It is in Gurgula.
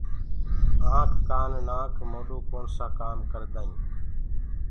آنک ڪآن نآڪ موڏو ڪوڻسآ ڪآم ڪردآئين